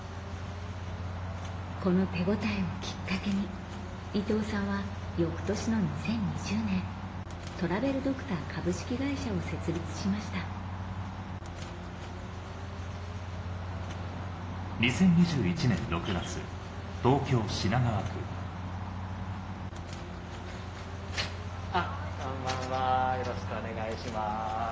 この手応えをきっかけに伊藤さんは翌年の２０２０年トラベルドクター株式会社を設立しましたこんばんはよろしくお願いします。